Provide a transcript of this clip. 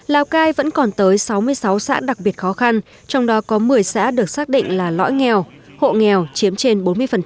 lào cai vẫn còn tới sáu mươi sáu xã đặc biệt khó khăn trong đó có một mươi xã được xác định là lõi nghèo hộ nghèo chiếm trên bốn mươi